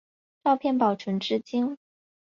照片保存至今。